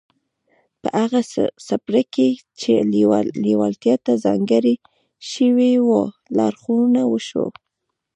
په هغه څپرکي کې چې لېوالتیا ته ځانګړی شوی و لارښوونه وشوه.